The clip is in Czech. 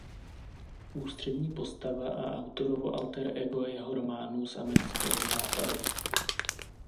Ústřední postava a autorovo alter ego jeho románů z amerického Západu.